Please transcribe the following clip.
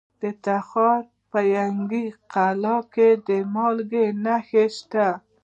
د تخار په ینګي قلعه کې د مالګې نښې شته.